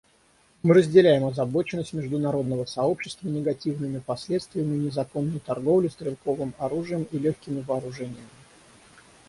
Мы разделяем озабоченность международного сообщества негативными последствиями незаконной торговли стрелковым оружием и легкими вооружениями.